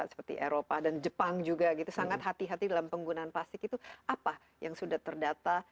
seperti eropa dan jepang juga gitu sangat hati hati dalam penggunaan plastik itu apa yang sudah terdata